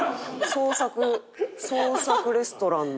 創作創作レストランの。